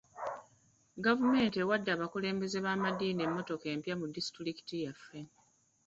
Gavumenti ewadde abakulembeze b'amaddiini emmotoka empya mu disitulikiti yaffe .